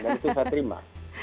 dan itu saya terima